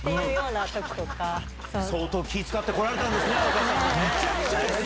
相当気使ってこられたんですね荒川さんもね。